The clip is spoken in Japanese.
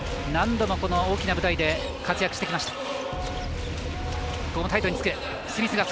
何度もこの大きな舞台で活躍してきました。